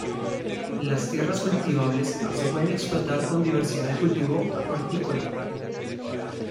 Las tierras cultivables se pueden explotar con diversidad de cultivo hortícola.